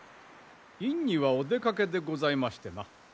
院にはお出かけでございましてな。